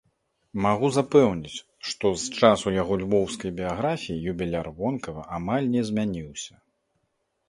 Магу запэўніць, што з часу яго львоўскай біяграфіі юбіляр вонкава амаль не змяніўся.